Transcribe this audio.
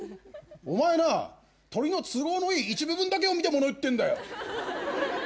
お前鳥の都合のいい一部分だけを見て物言ってんだよ。